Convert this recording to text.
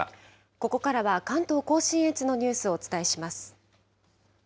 ここからは関東甲信越のニュースをお伝えします。